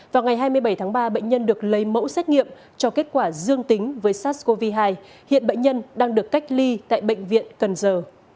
vào ngày hai mươi bảy tháng ba bệnh nhân được lấy mẫu xét nghiệm cho kết quả dương tính với sars cov hai hiện bệnh nhân đang được cách ly tại bệnh viện cần giờ